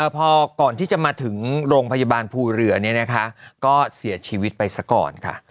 พอก่อนที่จะมาถึงโรงพยาบาลภูเรือก็เสียชีวิตไปซะก่อนค่ะ